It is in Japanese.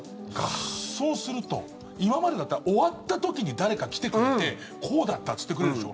そうすると、今までだったら終わった時に誰か来てくれてこうだったって言ってくれるでしょ。